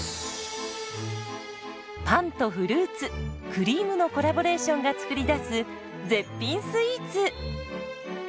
パンとフルーツクリームのコラボレーションが作り出す絶品スイーツ。